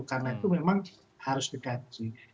karena itu memang harus digaji